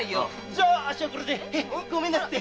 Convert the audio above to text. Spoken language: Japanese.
じゃあっしはこれでごめんなすって。